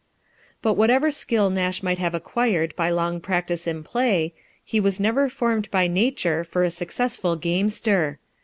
But whatever skill Nash might have acquired by long practice in play, he was never formed by nature for a successful gamester.